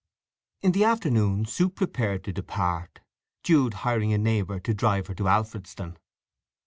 In the afternoon Sue prepared to depart, Jude hiring a neighbour to drive her to Alfredston.